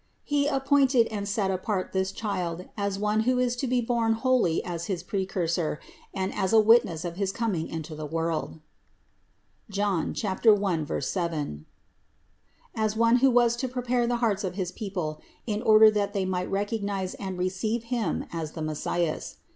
He ap pointed and set apart this child as one who is to be born holy as his Precursor and as a witness of his coming into the world (John 1, 7) ; as one who was to prepare the hearts of his people in order that they might recognize and receive Him as the Messias.